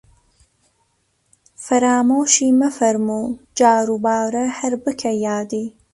فەرامۆشی مەفەرموو، جاروبارە هەر بکە یادی